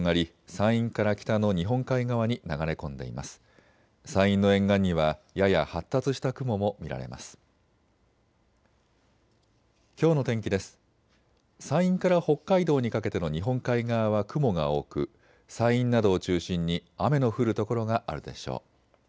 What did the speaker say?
山陰から北海道にかけての日本海側は雲が多く山陰などを中心に雨の降る所があるでしょう。